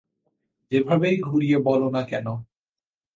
যেভাবেই ঘুরিয়ে বলো না কেন।